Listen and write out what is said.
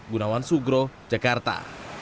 gunawan sugro jakarta